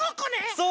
そう！